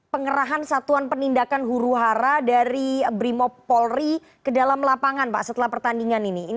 pengerahan satuan penindakan huruhara dari brimopolri ke dalam lapangan pak setelah pertandingan ini